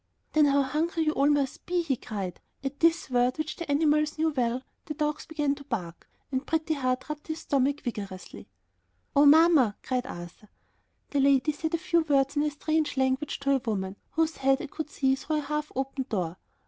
"Then how hungry you all must be!" he cried. At this word, which the animals well knew, the dogs began to bark and Pretty Heart rubbed his stomach vigorously. "Oh, Mamma!" cried Arthur. The lady said a few words in a strange language to a woman, whose head I could see through a half open door.